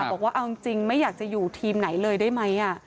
บอกว่าเอาจริงไม่อยากจะอยู่ทีมไหนเลยได้ไหม